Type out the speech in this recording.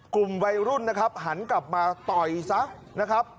กลุ่มวัยรุ่นนะครับหันกลับมาต่อยซะนะครับ